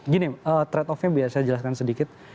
gini trade off nya biar saya jelaskan sedikit